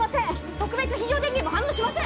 ・特別非常電源も反応しません